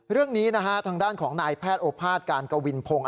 เรื่องนี้นะฮะทางด้านของนายแพทย์โอภาษย์การกวินพงศ์